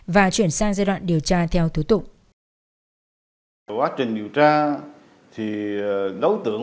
bà nguyễn thị thanh lan đã đối tượng giết người cướp tài sản của bà nguyễn thị thanh lan